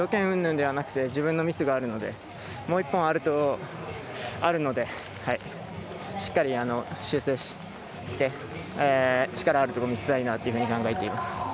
うんぬんではなくて自分のミスがあるのでもう１本あるのでしっかり修正して力あるところ見せたいなと思っています。